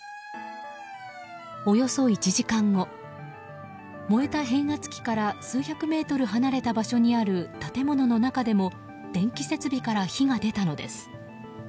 およそ１時間後燃えた変圧器から数百メートル離れた場所にある建物の中でも電気設備から火が出たのです。